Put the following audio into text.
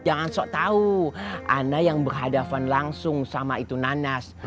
jangan sok tahu anda yang berhadapan langsung sama itu nanas